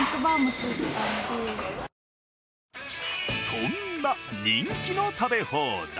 そんな人気の食べ放題。